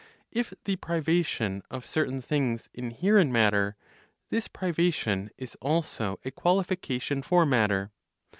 If the privation of certain things inhere in matter, this privation is also a qualification for matter.